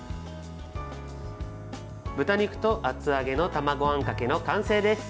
豚肉と厚揚げの卵あんかけの完成です。